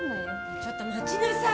ちょっと待ちなさい！